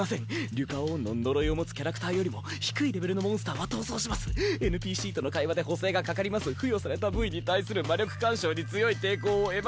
リュカオーンの呪いを持つキャラクターよりも低いレベルのモンスターは逃走しますＮＰＣとの会話で補正がかかります付与された部位に対する魔力干渉に強い抵抗を得ます